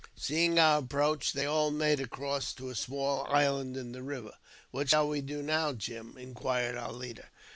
Seeing our approach, they all made across to a small island in the river. " What shall we do now, Jim? " inquired our leader.